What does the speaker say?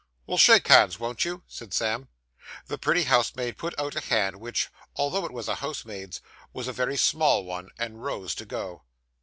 'Well, shake hands, won't you?' said Sam. The pretty housemaid put out a hand which, although it was a housemaid's, was a very small one, and rose to go.